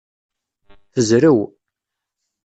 Tezrew.